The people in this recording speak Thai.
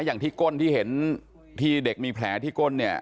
อย่างที่ก้นที่เห็นที่เด็กมีแผลที่ก้นเนี่ย